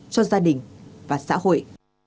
cho gia đình và xã hội